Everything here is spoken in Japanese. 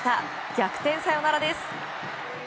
逆転サヨナラです。